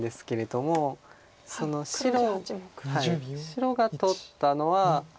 白が取ったのは。